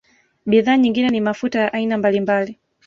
Bidhaa nyingine ni mafuta ya aina mbalimbali